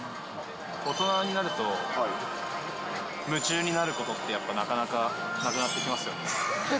大人になると夢中になることってやっぱなかなかなくなってきますよね。